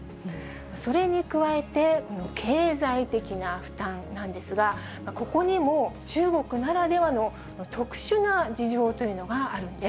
それに加えて、経済的な負担なんですが、ここにも中国ならではの特殊な事情というのがあるんです。